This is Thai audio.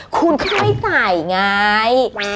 คุณก็ไม่ใส่ไง